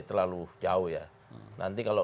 terlalu jauh ya nanti kalau